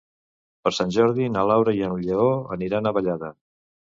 Per Sant Jordi na Laura i en Lleó aniran a Vallada.